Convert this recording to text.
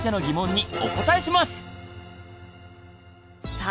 さあ